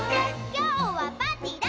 「きょうはパーティーだ！」